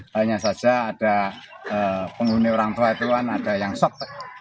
hanya saja ada penghuni orang tua itu kan ada yang shock